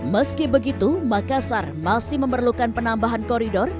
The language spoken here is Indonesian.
meski begitu makassar masih memerlukan penambahan koridor